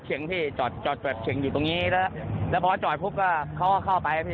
มึงอยูเจ๊เฉยเขาก็พักประตูเข้าไปเลยครับผม